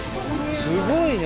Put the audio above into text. すごいね。